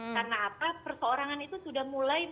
maka perseorangan itu sudah mulai